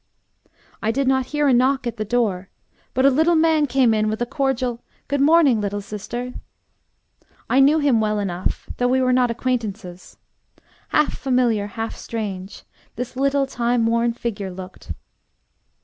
I did not hear a knock at the door, but a little man came in with a cordial "Good morning, little sister!" I knew him well enough, though we were not acquaintances. Half familiar, half strange, this little time worn figure looked.